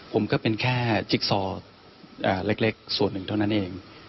ผมก็เป็นแค่จิ๊กซอเล็กส่วนหนึ่งเท่านั้นเอง